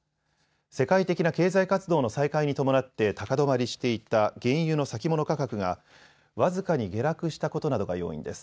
世界的な経済活動の再開に伴って高止まりしていた原油の先物価格が僅かに下落したことなどが要因です。